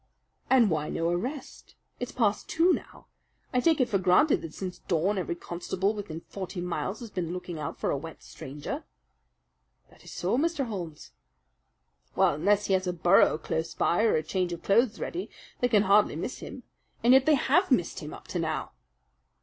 "And why no arrest? It's past two now. I take it for granted that since dawn every constable within forty miles has been looking out for a wet stranger?" "That is so, Mr. Holmes." "Well, unless he has a burrow close by or a change of clothes ready, they can hardly miss him. And yet they HAVE missed him up to now!"